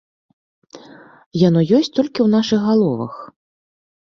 Яно ёсць толькі ў нашых галовах.